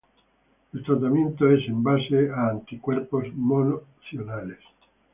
El tratamiento es en base a anticuerpos monoclonales.